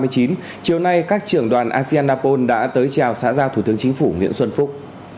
chiều nay các trưởng đoàn aseanapol đã tới chào xã giao thủ tướng chính phủ nguyễn xuân phúc